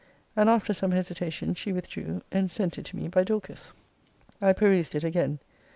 And, after some hesitation, she withdrew, and sent it to me by Dorcas. I perused it again.